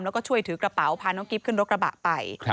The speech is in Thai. แล้วก็ช่วยถือกระเป๋าพาน้องกิ๊บขึ้นรถกระบะไป